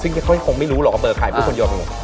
ซึ่งเขาคงไม่รู้หรอกว่าเบอร์ไข่พวกคนยอมลง